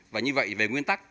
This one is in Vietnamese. và như vậy về nguyên tắc